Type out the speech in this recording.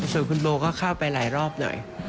ส่วนคุณโบก็เข้าไปหลายรอบหน่อย